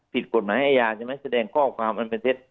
ผิดกฎหมายอาญาใช่ไหมแสดงข้อความอันเป็นเท็จ